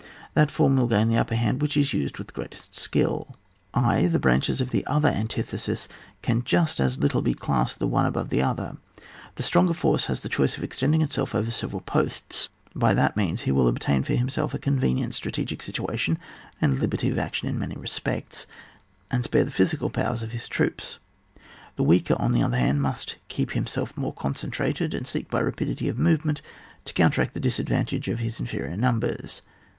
That form will gain the upper hand which is used with the greatest skill. (t.) The branches of the other antithe sis can just as little be classed the one above the other. The stronger force has the choice of extending itsoK over several posts ; by that means he will obtain for himself a convenient strategic situation, and liberty of action in many respects, and spare the physical powers of his troops. The weaker, on the other hand, must keep himself more concentrated, and seek by rapidity of movement to counteract the disadvantage of his inferior numbers.